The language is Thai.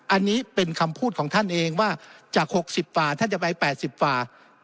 อันนี้เป็นคำพูดของท่านเองว่าจาก๖๐กว่าท่านจะไป๘๐ฝ่า